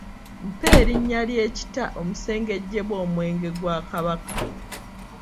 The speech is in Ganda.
Mpa erinnya ly’ekita omusengejjebwa omwenge gwa Kabaka.